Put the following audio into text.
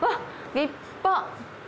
立派！